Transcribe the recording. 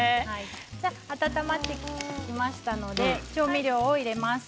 温まってきたので調味料を入れます。